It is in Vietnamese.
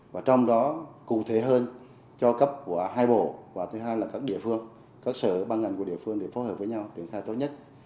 và trong đó cụ thể hơn cho cấp của hai bộ và thứ hai là các địa phương các sở ban ngành của địa phương để phối hợp với nhau triển khai tốt nhất